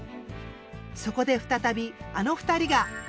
そこで再びあの２人が。